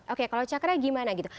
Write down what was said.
oke kalau cakra gimana gitu